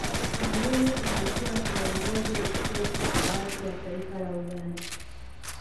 amini alikuwa kiongozi dikteta Kwa watu wa taifa la Uganda